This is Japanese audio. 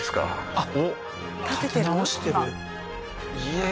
あっ！